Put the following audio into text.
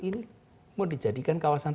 ini mau dijadikan kawasan